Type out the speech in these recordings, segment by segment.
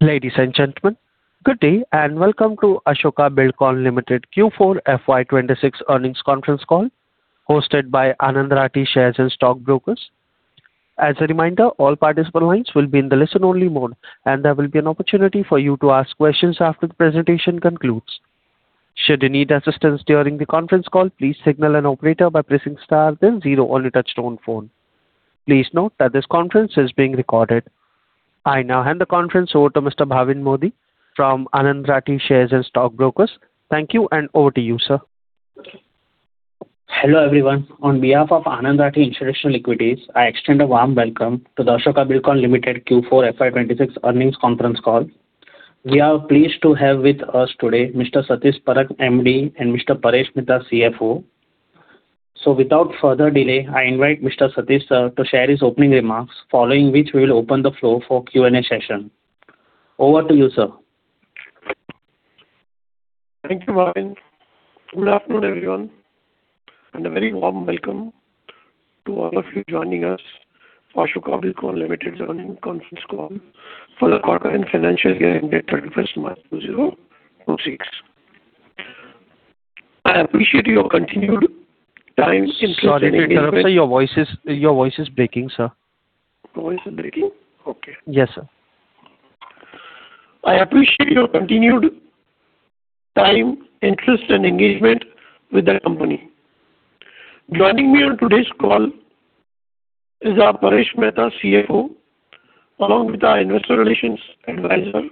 Ladies and gentlemen, good day and welcome to Ashoka Buildcon Limited Q4 FY 2026 earnings conference call hosted by Anand Rathi Share and Stock Brokers. As a reminder, all participant lines will be in the listen-only mode, and there will be an opportunity for you to ask questions after the presentation concludes. Should you need assistance during the conference call, please signal an operator by pressing star then zero on your touch-tone phone. Please note that this conference is being recorded. I now hand the conference over to Mr. Bhavin Modi from Anand Rathi Share and Stock Brokers. Thank you. Over to you, sir. Hello, everyone. On behalf of Anand Rathi Institutional Equities, I extend a warm welcome to the Ashoka Buildcon Limited Q4 FY 2026 earnings conference call. We are pleased to have with us today Mr. Satish Parakh, MD, and Mr. Paresh Mehta, CFO. Without further delay, I invite Mr. Satish, sir, to share his opening remarks, following which we'll open the floor for Q&A session. Over to you, sir. Thank you, Bhavin. Good afternoon, everyone, a very warm welcome to all of you joining us for Ashoka Buildcon Limited's earnings conference call for the quarter and financial year ended 31st March 2026. I appreciate your continued time, interest, and engagement. Sorry, sir. Your voice is breaking, sir. My voice is breaking? Okay. Yes, sir. I appreciate your continued time, interest, and engagement with the company. Joining me on today's call is our Paresh Mehta, CFO, along with our investor relations advisor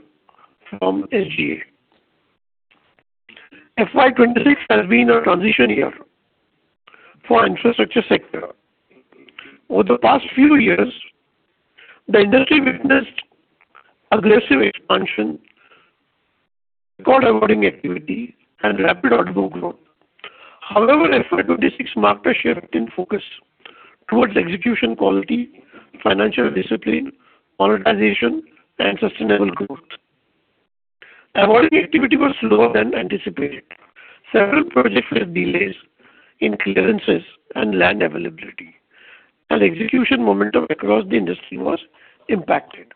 from SGA. FY 2026 has been a transition year for infrastructure sector. Over the past few years, the industry witnessed aggressive expansion, record awarding activity, and rapid order book growth. FY 2026 marked a shift in focus towards execution quality, financial discipline, monetization, and sustainable growth. Awarding activity was slower than anticipated. Several projects had delays in clearances and land availability, and execution momentum across the industry was impacted.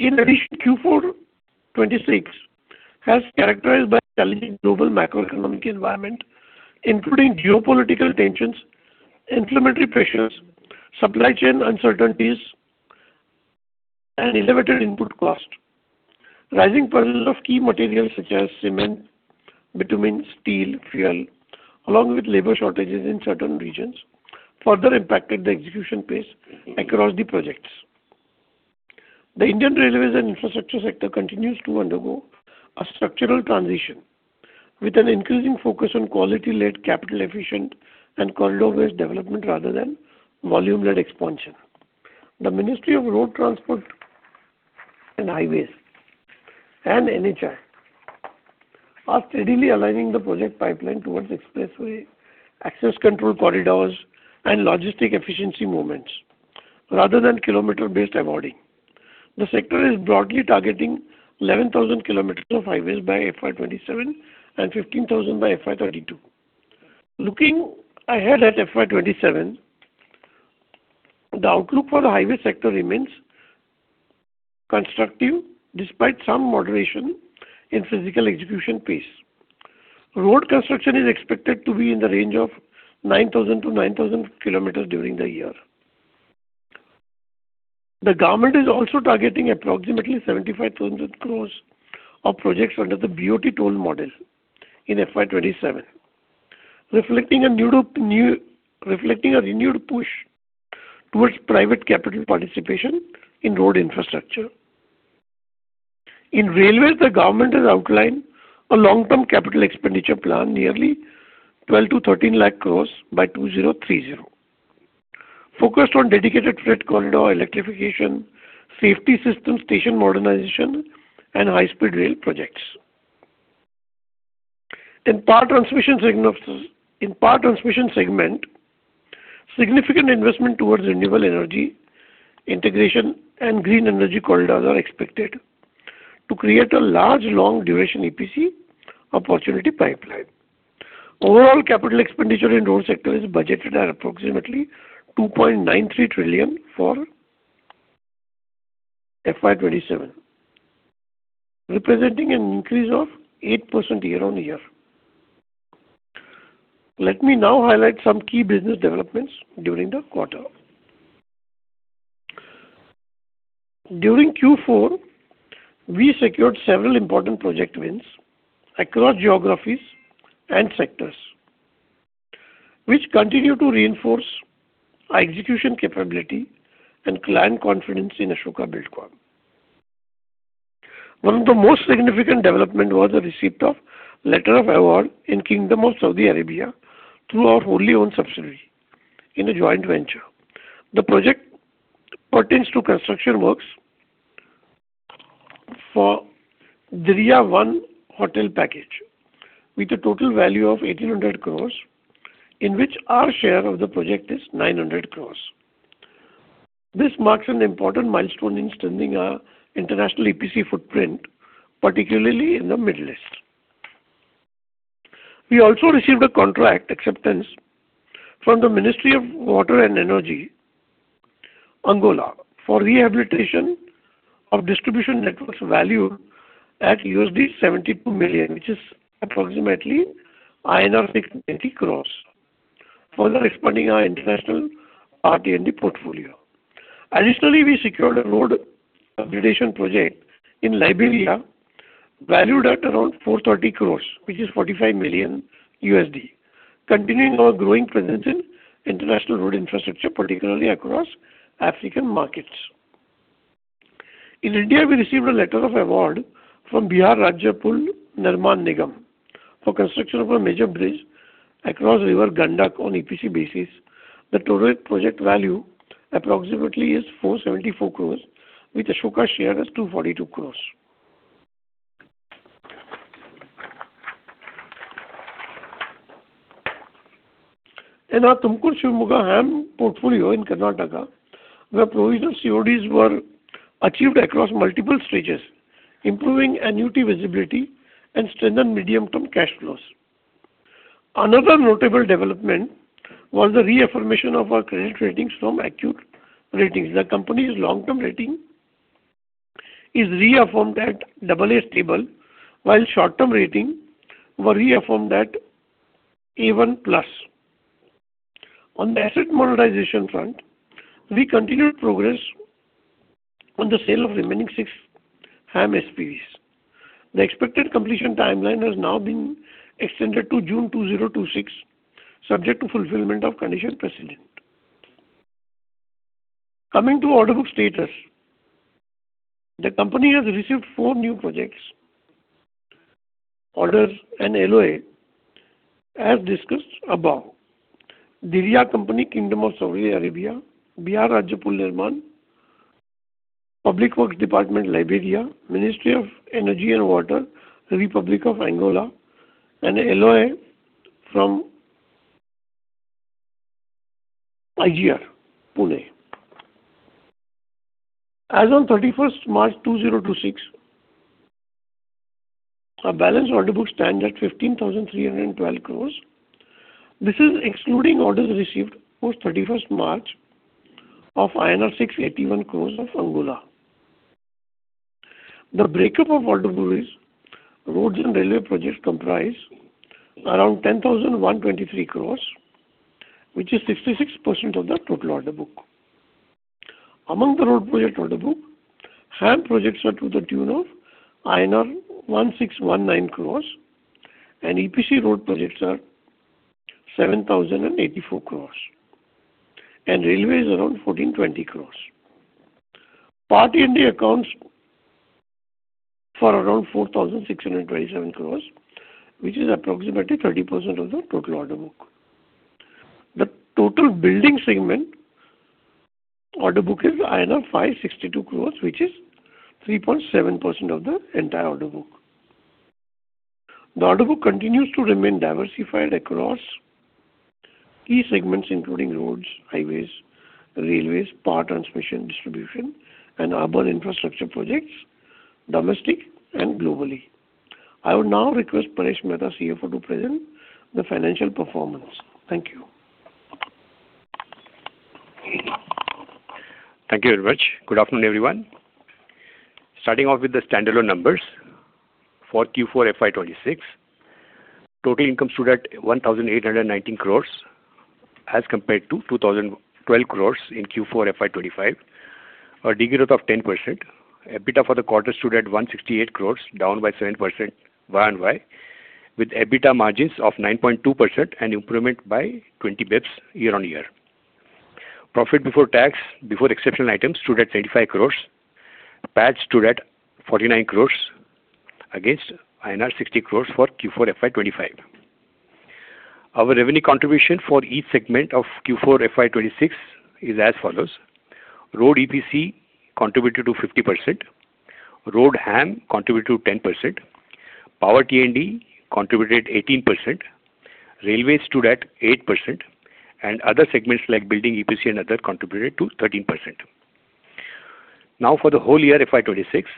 Q4 2026 was characterized by challenging global macroeconomic environment, including geopolitical tensions, inflationary pressures, supply chain uncertainties, and elevated input cost. Rising prices of key materials such as cement, bitumen, steel, fuel, along with labor shortages in certain regions, further impacted the execution pace across the projects. The Indian railways and infrastructure sector continues to undergo a structural transition with an increasing focus on quality-led, capital-efficient and corridor-based development, rather than volume-led expansion. The Ministry of Road Transport and Highways and NHAI are steadily aligning the project pipeline towards expressway, access control corridors, and logistic efficiency movements, rather than kilometer-based awarding. The sector is broadly targeting 11,000 km of highways by FY 2027 and 15,000 km by FY 2032. Looking ahead at FY 2027, the outlook for the highway sector remains constructive despite some moderation in physical execution pace. Road construction is expected to be in the range of 9,000 km-9,500 km during the year. The government is also targeting approximately 75,000 crores of projects under the BOT toll model in FY 2027, reflecting a renewed push towards private capital participation in road infrastructure. In railways, the government has outlined a long-term capital expenditure plan nearly 12 lakh crore-13 lakh crore by 2030. Focused on dedicated freight corridor electrification, safety system station modernization, and high-speed rail projects. In power transmission segment, significant investment towards renewable energy integration and green energy corridors are expected to create a large long-duration EPC opportunity pipeline. Overall capital expenditure in road sector is budgeted at approximately 2.93 trillion for FY 2027, representing an increase of 8% year-on-year. Let me now highlight some key business developments during the quarter. During Q4, we secured several important project wins across geographies and sectors, which continue to reinforce our execution capability and client confidence in Ashoka Buildcon. One of the most significant development was the receipt of Letter of Award in Kingdom of Saudi Arabia through our wholly-owned subsidiary in a joint venture. The project pertains to construction works for Diriyah One Hotel Package, with a total value of 1,800 crores, in which our share of the project is 900 crores. This marks an important milestone in strengthening our international EPC footprint, particularly in the Middle East. We also received a contract acceptance from the Ministry of Energy and Water, Angola for rehabilitation of distribution networks valued at $72 million, which is approximately INR 680 crores, further expanding our international T&D portfolio. Additionally, we secured a road rehabilitation project in Liberia valued at around 430 crores, which is $45 million, continuing our growing presence in international road infrastructure, particularly across African markets. In India, we received a Letter of Award from Bihar Rajya Pul Nirman Nigam for construction of a major bridge across river Gandak on EPC basis. The total project value approximately is 474 crores, with Ashoka's share as 242 crores. In our Tumkur-Shivamogga HAM portfolio in Karnataka, where provisional CODs were achieved across multiple stages, improving annuity visibility and strengthen medium-term cash flows. Another notable development was the reaffirmation of our credit ratings from Acuite Ratings. The company's long-term rating is reaffirmed at AA stable, while short-term rating were reaffirmed at A1+. On the asset monetization front, we continued progress on the sale of remaining six HAM SPVs. The expected completion timeline has now been extended to June 2026, subject to fulfillment of condition precedent. Coming to order book status. The company has received four new projects, orders, and LOA as discussed above. Diriyah Company, Kingdom of Saudi Arabia, Bihar Rajya Pul Nirman, Public Works Department, Liberia, Ministry of Energy and Water, Republic of Angola, and LOA from IGR, Pune. As on March 31st, 2026, our balance order book stands at 15,312 crores. This is excluding orders received post 31st March of INR 681 crores of Angola. The breakup of order book is roads and railway projects comprise around 10,123 crores, which is 66% of the total order book. Among the road project order book, HAM projects are to the tune of INR 1,619 crores and EPC road projects are 7,084 crores, and railway is around 1,420 crores. Power T&D accounts for around 4,627 crores, which is approximately 30% of the total order book. The total building segment order book is INR 562 crores, which is 3.7% of the entire order book. The order book continues to remain diversified across key segments including roads, highways, railways, power transmission, distribution, and other infrastructure projects, domestic and globally. I would now request Paresh Mehta, CFO, to present the financial performance. Thank you. Thank you very much. Good afternoon, everyone. Starting off with the standalone numbers for Q4 FY 2026. Total income stood at 1,819 crores as compared to 2,012 crores in Q4 FY 2025, a degrowth of 10%. EBITDA for the quarter stood at 168 crores, down by 7% YoY, with EBITDA margins of 9.2% and improvement by 20 basis points year-on-year. Profit before tax before exceptional items stood at 35 crores. PAT stood at 49 crores against INR 60 crores for Q4 FY 2025. Our revenue contribution for each segment of Q4 FY 2026 is as follows. Road EPC contributed to 50%, road HAM contributed to 10%, power T&D contributed 18%, railway stood at 8%, and other segments like building EPC and other contributed to 13%. For the whole year FY 2026,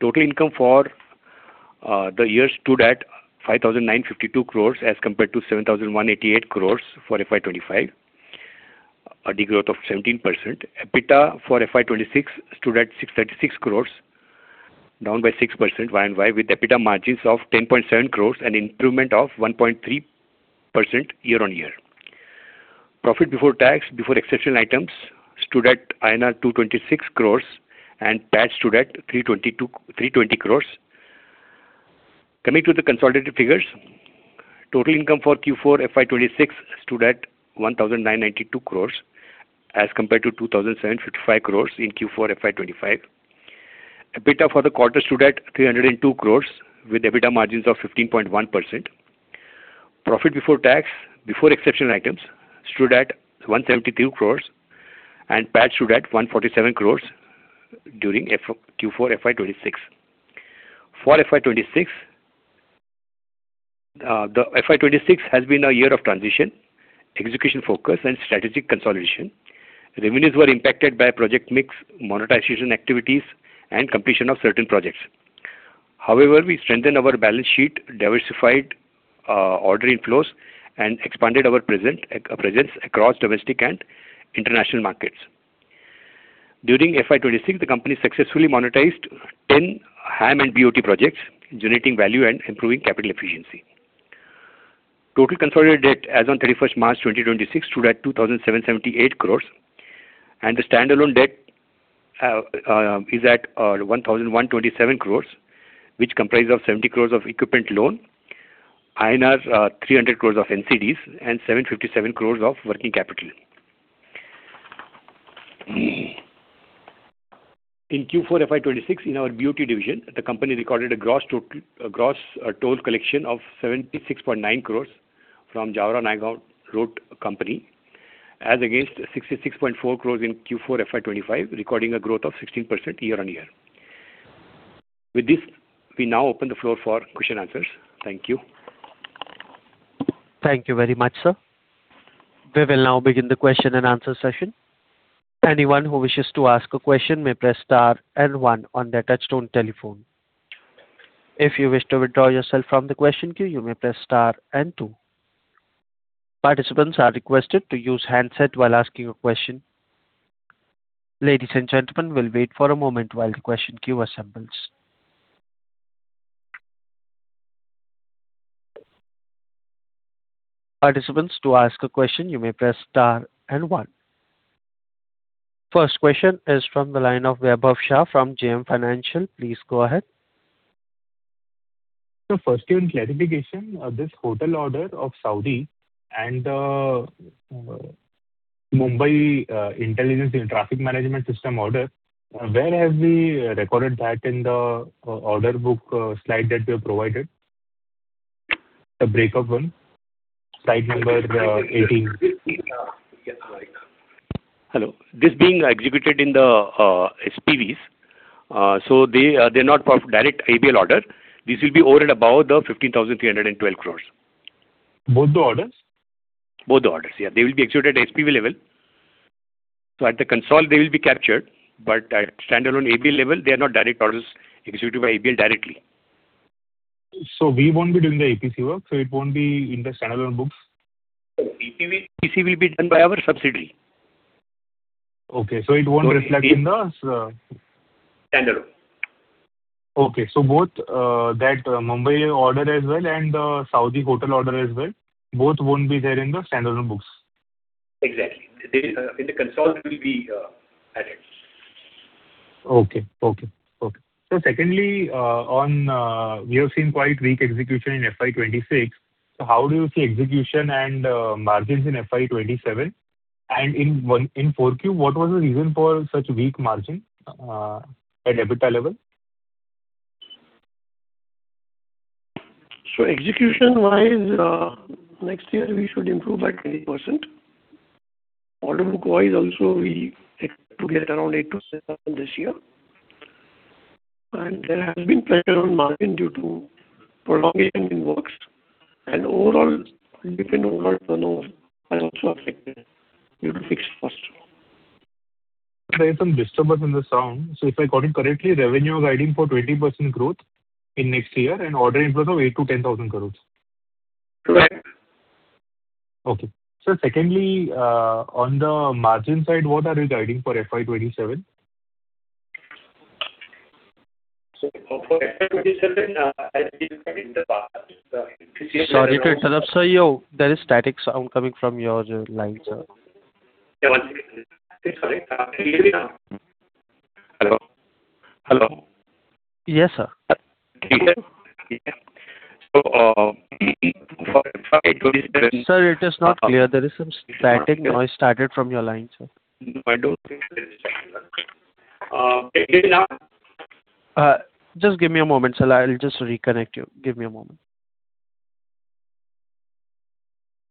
total income for the year stood at 5,952 crores as compared to 7,188 crores for FY 2025, a degrowth of 17%. EBITDA for FY2026 stood at 636 crores, down by 6% year-over-year, with EBITDA margins of 10.7 crores, an improvement of 1.3% year-over-year. Profit before tax before exceptional items stood at INR 226 crores, and PAT stood at 320 crores. Coming to the consolidated figures. Total income for Q4 FY2026 stood at 1,992 crores as compared to 2,755 crores in Q4 FY2025. EBITDA for the quarter stood at 302 crores with EBITDA margins of 15.1%. Profit before tax before exceptional items stood at 172 crores, and PAT stood at 147 crores during Q4 FY2026. For FY2026 has been a year of transition, execution focus, and strategic consolidation. Revenues were impacted by project mix, monetization activities, and completion of certain projects. However, we strengthened our balance sheet, diversified order inflows, and expanded our presence across domestic and international markets. During FY 2026, the company successfully monetized 10 HAM and BOT projects, generating value and improving capital efficiency. Total consolidated debt as on 31st March 2026 stood at 2,778 crores, and the standalone debt is at 1,127 crores, which comprises of 70 crores of equipment loan, INR 300 crores of NCDs, and 757 crores of working capital. In Q4 FY 2026, in our BOT division, the company recorded a gross toll collection of 76.9 crores from Jaora-Nayagaon Road Company, as against 66.4 crores in Q4 FY 2025, recording a growth of 16% YoY. With this, we now open the floor for question answers. Thank you. Thank you very much, sir. We will now begin the question and answer session. Anyone who wishes to ask a question may press star and one on their touchtone telephone. If you wish to withdraw yourself from the question queue, you may press star and two. Participants are requested to use handset while asking a question. Ladies and gentlemen, we'll wait for a moment while the question queue assembles. Participants, to ask a question, you may press star and one. First question is from the line of Vaibhav Shah from JM Financial Institutional Securities. Please go ahead. Firstly, one clarification, this One Hotel order of Saudi and the Mumbai Intelligent Traffic Management System order, where have we recorded that in the order book slide that you have provided? The breakup one, slide 18. Hello. This being executed in the SPVs, so they're not direct ABL order. This will be over and above the 15,312 crores. Both the orders? Both the orders, yeah. They will be executed at SPV level. At the console, they will be captured, but at standalone ABL level, they are not direct orders executed by ABL directly. We won't be doing the EPC work, so it won't be in the standalone books? No. EPC will be done by our subsidiary. Okay. it won't reflect in the. Standalone. Okay. Both that Mumbai order as well and the Saudi hotel order as well, both won't be there in the standalone books. Exactly. In the console, it will be added. Secondly, we have seen quite weak execution in FY 2026. How do you see execution and margins in FY 2027, and in 4Q, what was the reason for such weak margin at EBITDA level? Execution-wise, next year, we should improve by 20%. Order book-wise also, we expect to get around 8%-7% this year. There has been pressure on margin due to prolongation in works, and overall different order turnover has also affected due to fixed cost. There is some disturbance in the sound. If I got it correctly, revenue guiding for 20% growth in next year and order inflows of 8,000 crore-10,000 crore. Correct. Okay. Sir, secondly, on the margin side, what are you guiding for FY 2027? For FY 2027, I'll be in Mumbai. Sorry to interrupt, sir. There is static sound coming from your line, sir. Sorry, can you hear me now? Hello? Yes, sir. Can you hear me? For FY 2027. Sir, it is not clear. There is some static noise started from your line, sir. No, I don't think there is static noise. Can you hear me now? Just give me a moment, sir. I'll just reconnect you. Give me a moment.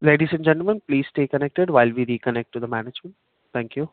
Ladies and gentlemen, please stay connected while we reconnect to the management. Thank you.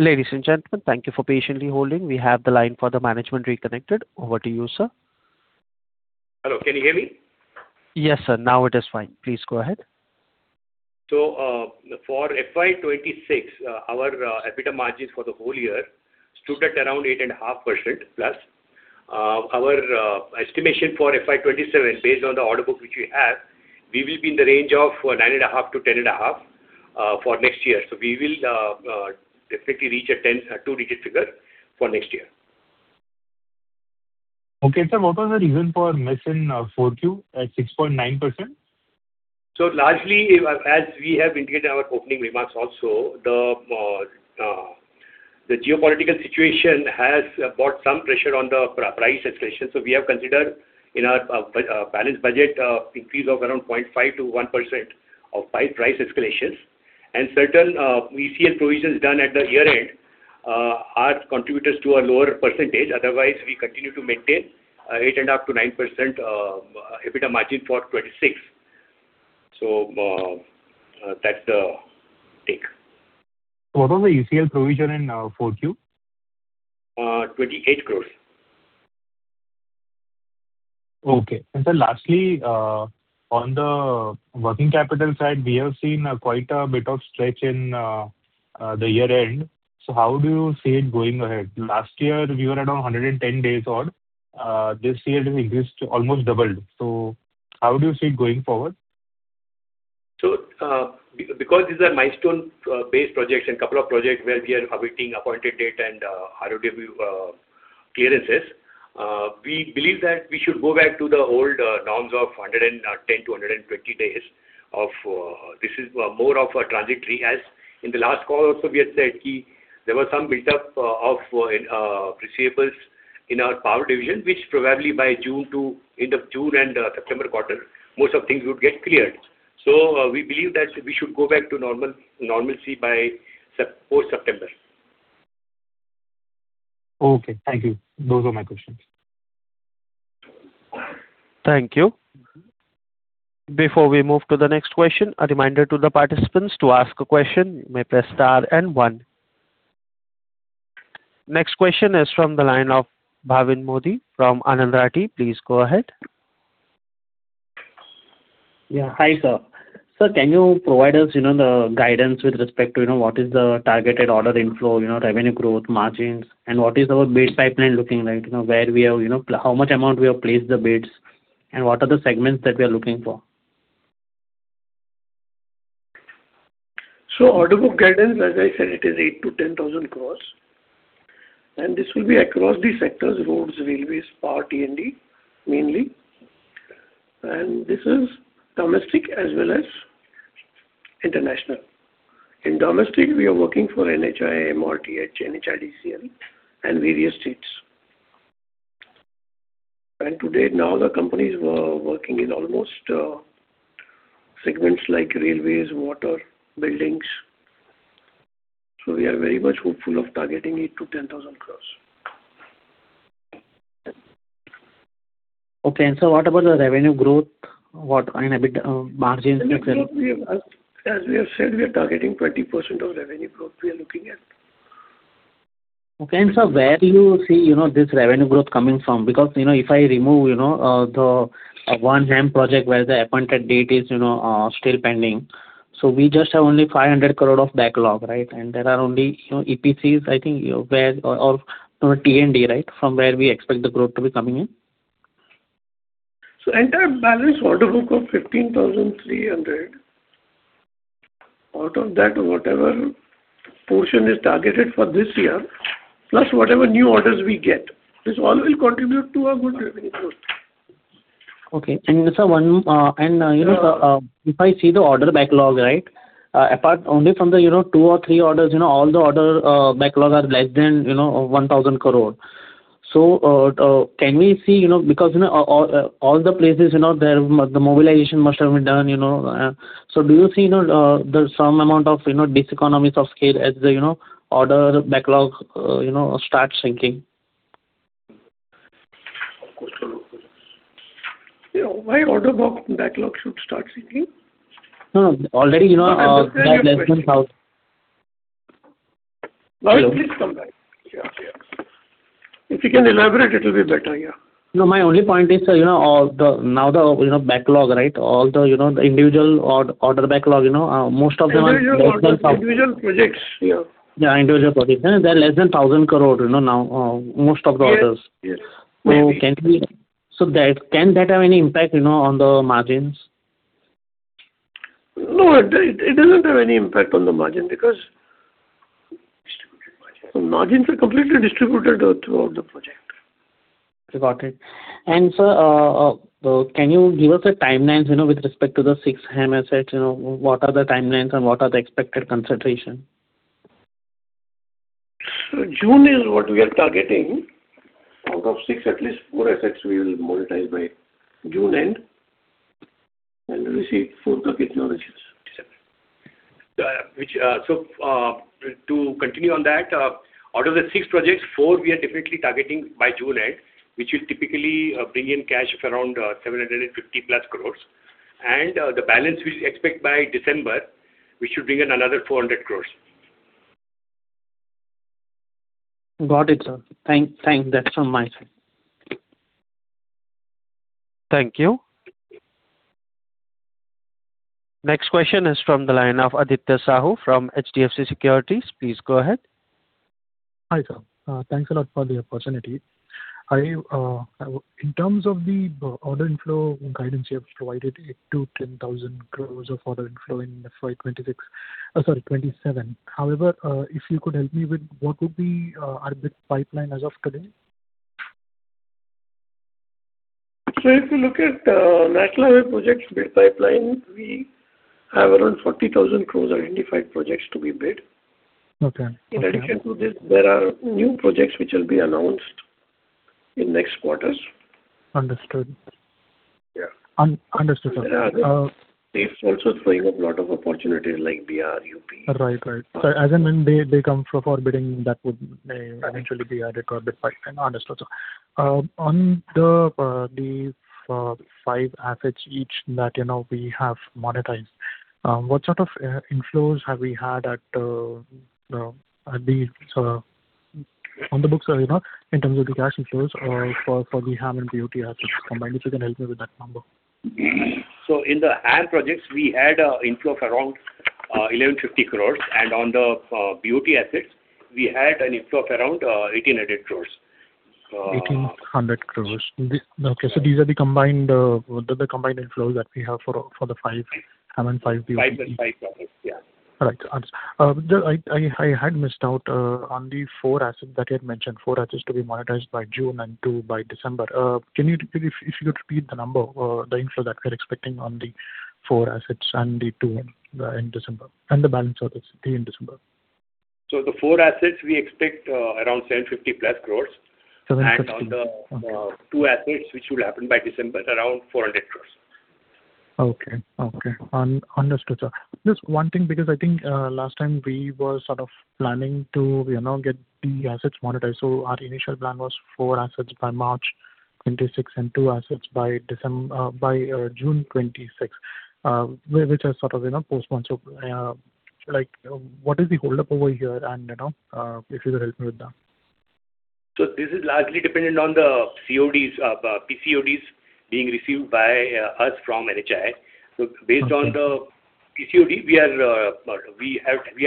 Ladies and gentlemen, thank you for patiently holding. We have the line for the management reconnected. Over to you, sir. Hello, can you hear me? Yes sir, now it is fine. Please go ahead. For FY 2026, our EBITDA margins for the whole year stood at around 8.5%+. Our estimation for FY 2027, based on the order book which we have, we will be in the range of 9.5%-10.5% for next year. We will definitely reach a two-digit figure for next year. Okay, sir. What was the reason for miss in 4Q at 6.9%? Largely, as we have indicated in our opening remarks also, the geopolitical situation has brought some pressure on the price escalation. We have considered in our balanced budget increase of around 0.5%-1% of price escalations. Certain ECL provisions done at the year-end are contributors to a lower percentage. Otherwise, we continue to maintain 8.5%-9% EBITDA margin for FY 2026. That's the take. What was the ECL provision in 4Q? INR 28 crores. Okay. Sir, lastly, on the working capital side, we have seen quite a bit of stretch in the year-end. How do you see it going ahead? Last year, we were around 110 days on. This year it has increased to almost double. How do you see it going forward? Because these are milestone-based projects and a couple of projects where we are awaiting appointed date and RoW clearances, we believe that we should go back to the old norms of 110-120 days. This is more of a transitory as in the last call also, we had said there was some buildup of receivables in our power division, which probably by end of June and September quarter, most of things would get cleared. We believe that we should go back to normalcy by post-September. Okay. Thank you. Those are my questions. Thank you. Before we move to the next question, a reminder to the participants to ask a question, you may press star and one. Next question is from the line of Bhavin Modi from Anand Rathi Share and Stock Brokers Limited. Please go ahead. Yeah. Hi, sir. Sir, can you provide us the guidance with respect to what is the targeted order inflow, revenue growth, margins, and what is our base pipeline looking like? How much amount we have placed the bids, and what are the segments that we are looking for? Order book guidance, as I said, it is 8,000 crore - 10,000 crore, and this will be across the sectors, roads, railways, power, T&D, mainly. This is domestic as well as international. In domestic, we are working for NHAI, MoRTH, NHIDCL, and various states. Today now the company is working in almost segments like railways, water, buildings. We are very much hopeful of targeting 8,000 crore - 10,000 crore. Okay. Sir, what about the revenue growth and EBITDA margins? As we have said, we are targeting 20% of revenue growth we are looking at. Okay. Sir, where do you see this revenue growth coming from? If I remove the one dam project where the appointed date is still pending, we just have only 500 crore of backlog, right? There are only EPCs, I think, or T&D, right? From where we expect the growth to be coming in? Entire balanced order book of 15,300 crore, out of that, whatever portion is targeted for this year, plus whatever new orders we get, this all will contribute to our good revenue growth. Okay. Sir, if I see the order backlog, right? Only from the two or three orders, all the order backlog are less than 1,000 crore. Can we see, because all the places, the mobilization must have been done? Do you see there's some amount of diseconomies of scale as the order backlog starts sinking? Of course. Why order book backlog should start sinking? No. I understand your question. Please come back. Yeah. If you can elaborate, it will be better. Yeah. My only point is, sir, now the backlog, right? All the individual order backlog, most of them. Individual orders, individual projects. Yeah. Yeah, individual projects. They are less than 1,000 crore now, most of the orders. Yes. Can that have any impact on the margins? No, it doesn't have any impact on the margin because margins are completely distributed throughout the project. Got it. Sir, can you give us the timelines with respect to the 6 HAM assets? What are the timelines and what are the expected consideration? June is what we are targeting. Out of six, at least four assets we will monetize by June end, and we receive fourth or fifth is December. To continue on that, out of the six projects, four we are definitely targeting by June end, which will typically bring in cash of around 750+ crores. The balance we expect by December, which should bring in another 400 crores. Got it, sir. Thanks. That is from my side. Thank you. Next question is from the line of Aditya Sahu from HDFC Securities. Please go ahead. Hi, sir. Thanks a lot for the opportunity. In terms of the order inflow guidance you have provided, 8,000-10,000 crores of order inflow in FY 2027. If you could help me with what would be our bid pipeline as of today? If you look at National Highway projects bid pipeline, we have around 40,000 crores identified projects to be bid. Okay. In addition to this, there are new projects which will be announced in next quarters. Understood. Yeah. Understood, sir. There are states also throwing up lot of opportunities like UPMRC. Right. As and when they come for bidding, that would eventually be added to our bid pipeline. Understood, sir. On the five assets each that we have monetized, what sort of inflows have we had on the books, in terms of the cash inflows for the HAM and BOT assets combined, if you can help me with that number. In the HAM projects, we had a inflow of around 1,150 crores, and on the BOT assets, we had an inflow of around 1,800 crores. 1,800 crores. Okay, these are the combined inflows that we have for the 5 HAM and 5 BOT- Five for five projects, yeah. All right. I had missed out on the four assets that you had mentioned, four assets to be monetized by June and two by December. If you could repeat the number, the inflow that we're expecting on the four assets and the two in December, and the balance of the three in December. The four assets, we expect around 750+ crores. INR 750. Okay. On the two assets, which will happen by December, around 400 crores. Okay. Understood, sir. Just one thing, because I think last time we were sort of planning to get the assets monetized. Our initial plan was four assets by March 2026 and two assets by June 2026, which has sort of postponed. What is the holdup over here? If you could help me with that. This is largely dependent on the PCODs being received by us from NHAI. Based on the PCOD, we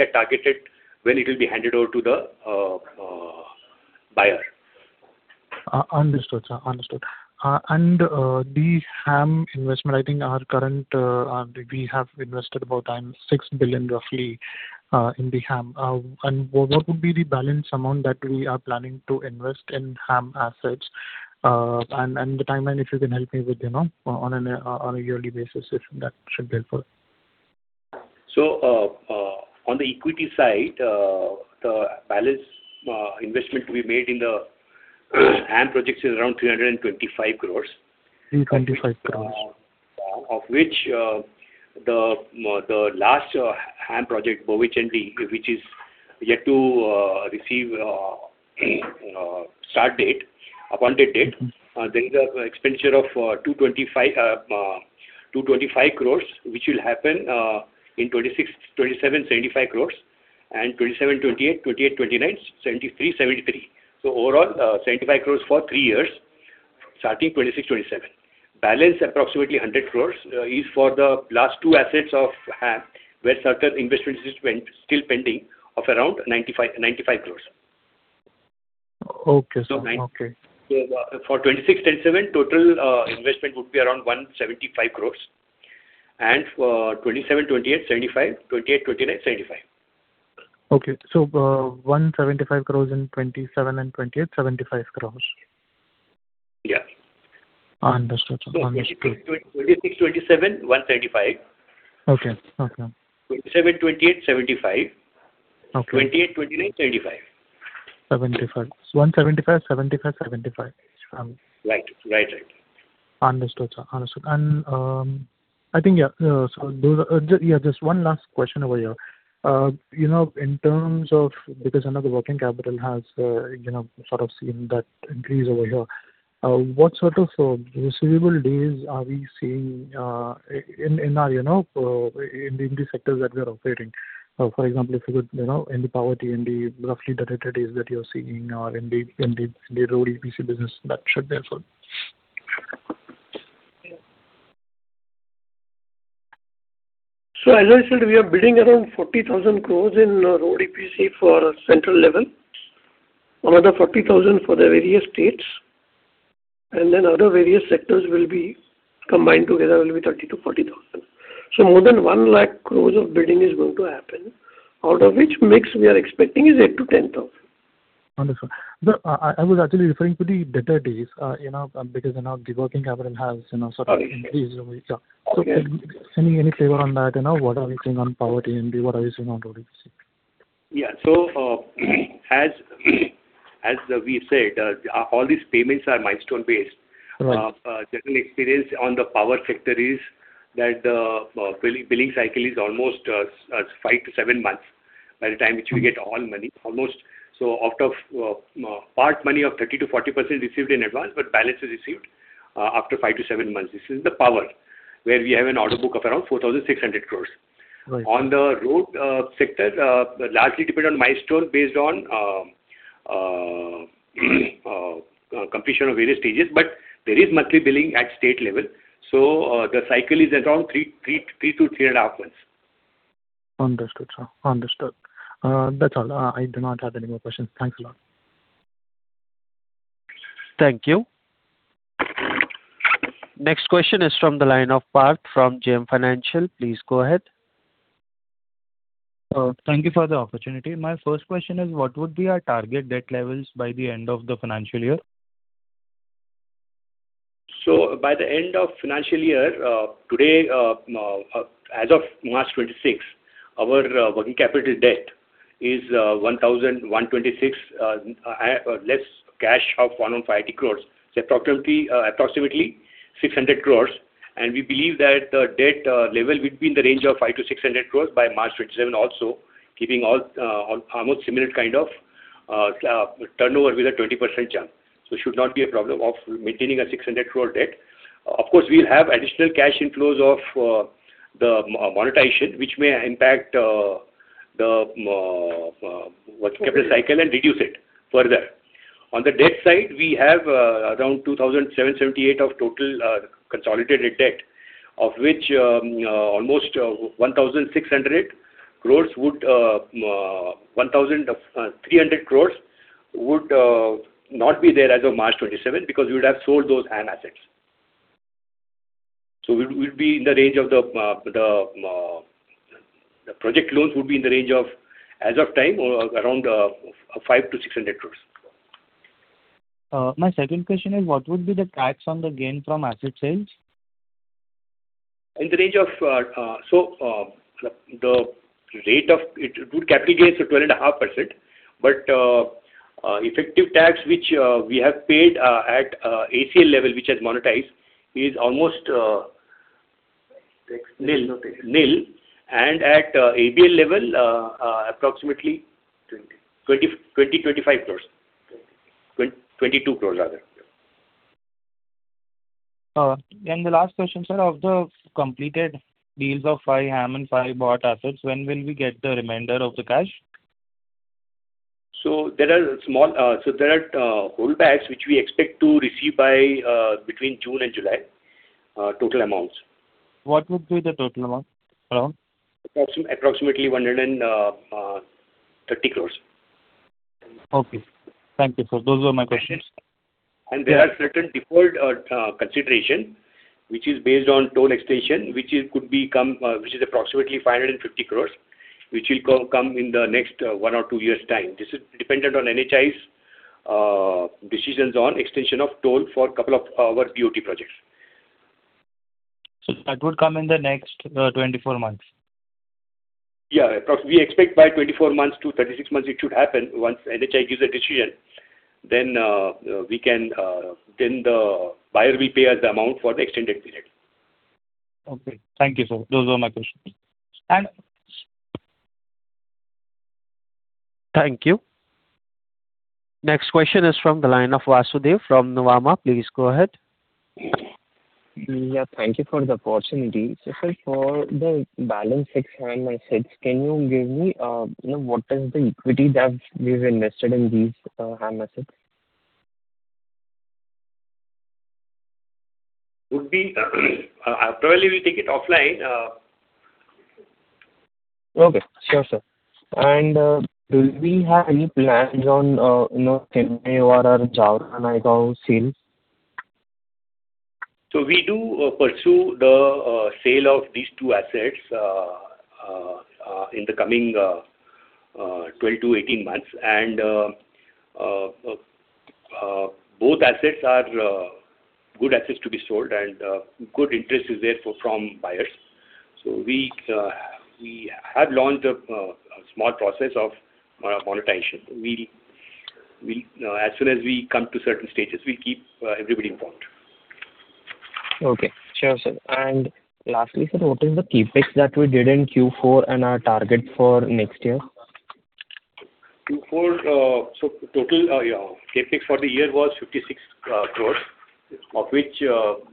are targeted when it will be handed over to the buyer. Understood, sir. The HAM investment, I think we have invested about 6 billion, roughly, in the HAM. What would be the balance amount that we are planning to invest in HAM assets? The timeline, if you can help me with, on a yearly basis, if that should be helpful. On the equity side, the balance investment to be made in the HAM projects is around 325 crores. 325 crores. Of which the last HAM project, (uncetain), which is yet to receive a start date, appointed date. There is an expenditure of 225 crores, which will happen in 2026-2027, 75 crores, and 2027-2028, 2028-2029, 73 crores, 73 crores. Overall, 75 crores for three years, starting 2026-2027. Balance approximately 100 crores is for the last two assets of HAM, where certain investment is still pending of around 95 crores. Okay, sir. For 2026-2027, total investment would be around 175 crores, and for 2027-2028, 75 crores, 2028-2029, 75 crores. Okay. 175 crores in 2027 and 2028, 75 crores. Yeah. Understood, sir. 2026-2027, INR 175 crore. Okay. 2027-2028, INR 75 crore. Okay. 2028-2029, INR 75crore. INR 75 crore. INR 175 crore, INR 75 crore. Right. Understood, sir. I think, just one last question over here. In terms of, because I know the working capital has sort of seen that increase over here, what sort of receivable days are we seeing in the sectors that we are operating? For example, if you could, in the power T&D, roughly the days that you're seeing, or in the road EPC business, that should be helpful. As I said, we are bidding around 40,000 crores in road EPC for central level. Another 40,000 crores for the various states. Other various sectors will be combined together, will be 30,000-40,000 crores. More than 1 lakh crores of bidding is going to happen, out of which mix we are expecting is 8,000-10,000 crores. Understood. I was actually referring to the debtor days, because the working capital has sort of increased over here. Okay. Any favor on that? What are we seeing on Power T&D? What are we seeing on Road EPC? Yeah. As we've said, all these payments are milestone-based. Right. General experience on the power sector is that billing cycle is almost five to seven months by the time which we get all money, almost. Out of part money of 30%-40% received in advance, but balance is received after five to seven months. This is the power where we have an order book of around 4,600 crores. On the road sector, largely dependent on milestone based on completion of various stages, but there is monthly billing at state level. The cycle is around three and a half months. Understood, sir. Understood. That is all. I do not have any more questions. Thanks a lot. Thank you. Next question is from the line of Parth Thakkar from JM Financial Institutional Securities Limited. Please go ahead. Thank you for the opportunity. My first question is, what would be our target debt levels by the end of the financial year? By the end of financial year, today, as of March 2026, our working capital debt is 1,126 less cash of 150 crores. Approximately 600 crores. We believe that the debt level will be in the range of 500 crores-600 crores by March 2027 also, keeping almost similar kind of turnover with a 20% jump. It should not be a problem of maintaining a 600 crore debt. Of course, we'll have additional cash inflows of the monetization, which may impact the working capital cycle and reduce it further. On the debt side, we have around 2,778 of total consolidated debt, of which almost 1,300 crores would not be there as of March 2027, because we would have sold those HAM assets. The project loans would be in the range of, as of time, around 500 crores-600 crores. My second question is, what would be the tax on the gain from asset sales? The rate of it would capitalize to 12.5%. Effective tax, which we have paid at ACL level, which has monetized, is almost nil. At ABL level, approximately 20 crores, 25 crores. 22 crores, rather. The last question, sir. Of the completed deals of 5 HAM and 5 BOT assets, when will we get the remainder of the cash? There are holdbacks which we expect to receive between June and July. Total amounts. What would be the total amount, around? Approximately 130 crores. Okay. Thank you, sir. Those were my questions. There are certain deferred consideration, which is based on toll extension, which is approximately 550 crores, which will come in the next one or two years' time. This is dependent on NHAI's decisions on extension of toll for couple of our BOT projects. That would come in the next 24 months. Yes. We expect by 24 months-36 months it should happen. Once NHAI gives a decision, then the buyer will pay us the amount for the extended period. Okay. Thank you, sir. Those were my questions. Thank you. Next question is from the line of Vasudev Ganatra from Nuvama Wealth Management Ltd. Please go ahead. Thank you for the opportunity. Sir, for the balance six HAM assets, can you give me what is the equity that we've invested in these HAM assets? Probably, we'll take it offline. Okay. Sure, sir. Do we have any plans on Chennai or Jaora-Nayagaon sales? We do pursue the sale of these two assets in the coming 12-18 months. Both assets are good assets to be sold and good interest is there from buyers. We have launched a small process of monetization. As soon as we come to certain stages, we'll keep everybody informed. Okay. Sure, sir. Lastly, sir, what is the CapEx that we did in Q4 and our target for next year? Q4, total CapEx for the year was 67 crores. Of which Q4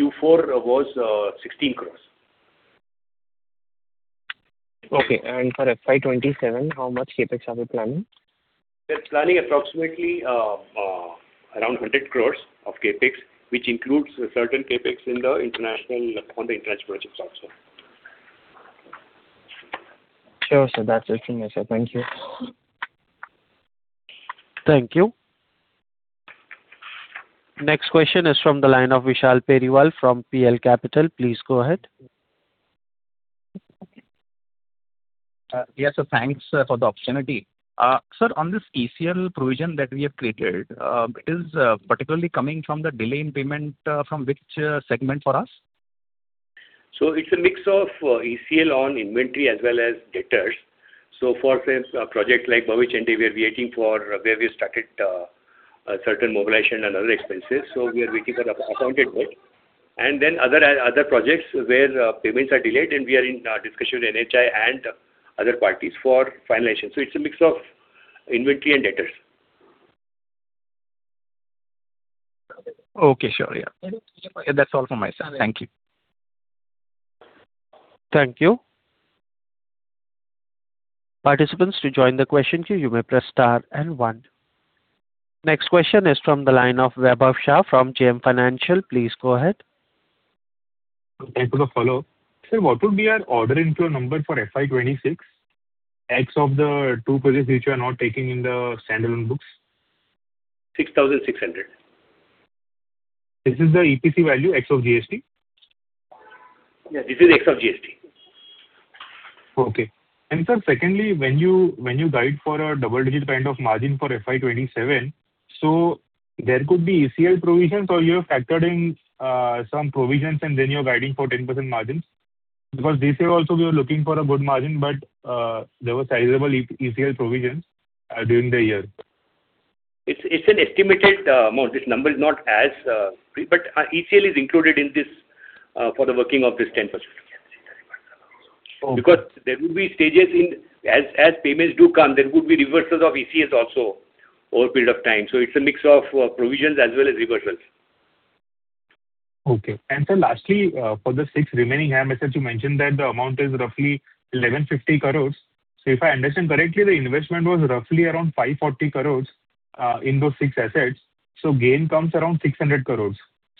was 16 crores. Okay. for FY 2027, how much CapEx are we planning? We're planning approximately around 100 crores of CapEx, which includes certain CapEx on the international projects also. Sure, sir. That's it from me, sir. Thank you. Thank you. Next question is from the line of Vishal Periwal from Prabhudas Lilladher. Please go ahead. Yes, sir. Thanks for the opportunity. Sir, on this ECL provision that we have created, it is particularly coming from the delay in payment from which segment for us? It's a mix of ECL on inventory as well as debtors. For project like, where we started certain mobilization and other expenses, so we are waiting for the appointed debt. Other projects where payments are delayed, and we are in discussion with NHAI and other parties for finalization. It's a mix of inventory and debtors. Okay, sure. Yeah. That's all from my side. Thank you. Thank you. Participants, to join the question queue, you may press star and one. Next question is from the line of Vaibhav Shah from JM Financial Institutional Securities. Please go ahead. Thank you. To follow up. Sir, what would be our order inflow number for FY 2026, ex of the two projects which you are not taking in the standalone books? 6,600 crore. This is the EPC value ex of GST? Yeah. This is ex of GST. Okay. Sir, secondly, when you guide for a double-digit kind of margin for FY 2027, there could be ECL provisions or you have factored in some provisions and then you're guiding for 10% margins. This year also we were looking for a good margin, but there were sizable ECL provisions during the year. It's an estimated amount. ECL is included in this for the working of this 10%. Okay. There would be stages in, as payments do come, there would be reversals of ECL also over a period of time. It's a mix of provisions as well as reversals. Okay. Sir, lastly, for the six remaining HAM assets, you mentioned that the amount is roughly 1,150 crores. If I understand correctly, the investment was roughly around 540 crores in those six assets. Gain comes around 600 crores.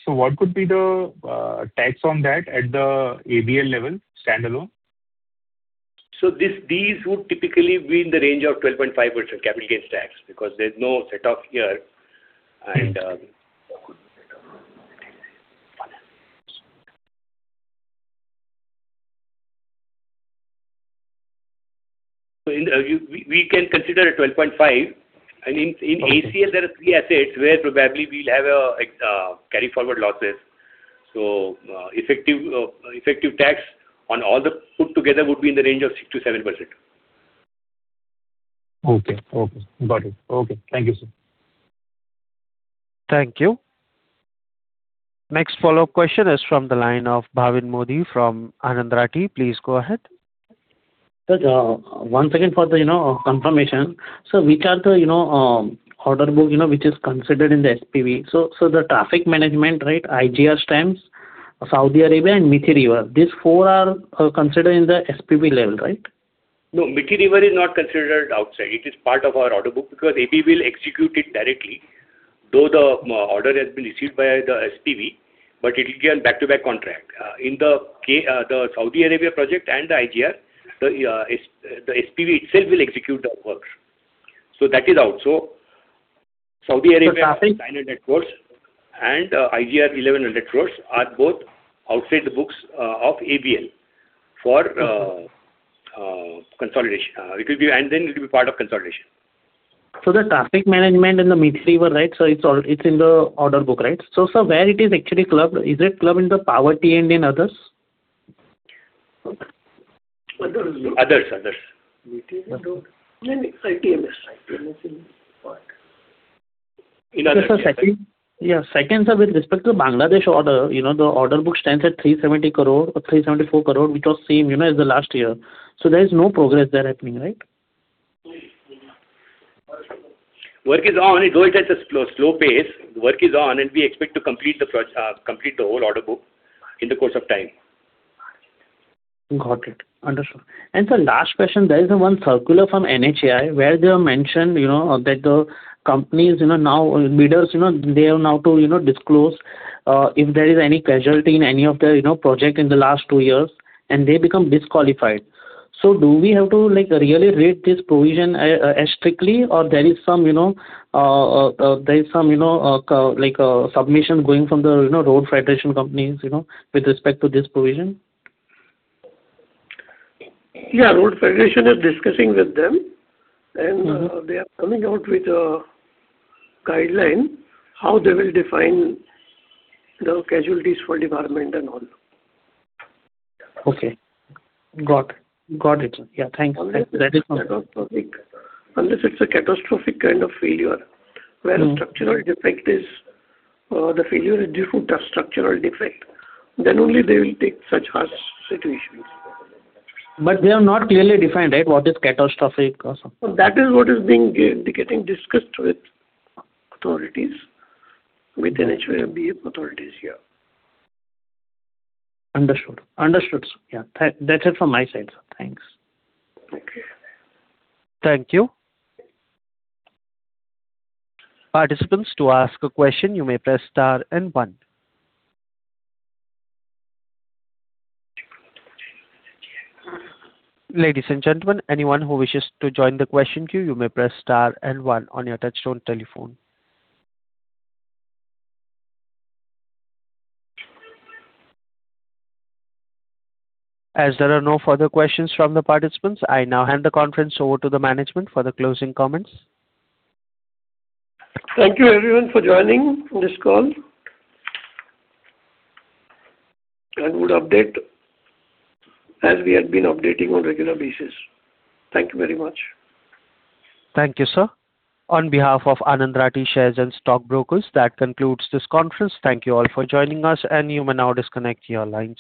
What could be the tax on that at the ABL level standalone? These would typically be in the range of 12.5% capital gains tax, because there's no set off here. We can consider it 12.5%. In ACL there are three assets where probably we'll have carry forward losses. Effective tax on all put together would be in the range of 6%-7%. Okay. Got it. Okay. Thank you, sir. Thank you. Next follow-up question is from the line of Bhavin Modi from Anand Rathi Share and Stock Brokers Limited. Please go ahead. Sir, one second for the confirmation. Sir, which are the order book which is considered in the SPV. The traffic management, IGR Stamps, Saudi Arabia and Mithi River. These four are considered in the SPV level, right? No, Mithi River is not considered outside. It is part of our order book because AB will execute it directly, though the order has been received by the SPV, but it is a back-to-back contract. In the Saudi Arabia project and the IGR, the SPV itself will execute the work. That is out. Saudi Arabia- Traffic. 900 crores and IGR 1,100 crores are both outside the books of ABL for consolidation. It will be part of consolidation. The traffic management and the Mithi River, right? It's in the order book, right? Sir, where it is actually clubbed. Is it clubbed in the power T&D in others? Others. Others. Mithi River? No, ITMS. ITMS is part. Okay, sir. Second, sir, with respect to Bangladesh order, the order book stands at 370 crore or 374 crore, which was same as the last year. There is no progress there happening, right? Work is on, though it has a slow pace. Work is on, and we expect to complete the whole order book in the course of time. Got it. Understood. Sir, last question, there is one circular from NHAI where they have mentioned that the companies, now bidders, they are now to disclose if there is any casualty in any of their project in the last two years, and they become disqualified. Do we have to really rate this provision as strictly or there is some submission going from the Road Federation companies with respect to this provision? Yeah. International Road Federation is discussing with them. They are coming out with a guideline how they will define the causes for debarment and all. Okay. Got it. Yeah. Thank you. Unless it's a catastrophic kind of failure, the failure is due to structural defect, then only they will take such harsh situations. They have not clearly defined, right? What is catastrophic or something. That is what is being getting discussed with authorities, with NHAI and NHBF authorities. Yeah. Understood. Understood, sir. Yeah. That's it from my side, sir. Thanks. Thank you. Participants, to ask a question, you may press star and one. Ladies and gentlemen, anyone who wishes to join the question queue, you may press star and one on your touchtone telephone. As there are no further questions from the participants, I now hand the conference over to the management for the closing comments. Thank you everyone for joining this call. Good update as we had been updating on regular basis. Thank you very much. Thank you, sir. On behalf of Anand Rathi Shares and Stock Brokers, that concludes this conference. Thank you all for joining us. You may now disconnect your lines.